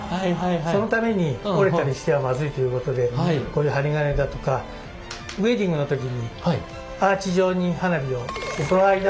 そのために折れたりしてはまずいということでこういう針金だとかウエディングの時にアーチ状に花火をその間を。